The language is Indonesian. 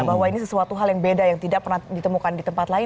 bahwa ini sesuatu hal yang beda yang tidak pernah ditemukan di tempat lain